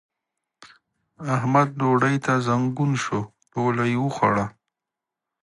احمد ډوډۍ ته زنګون شو؛ ټوله يې وخوړله.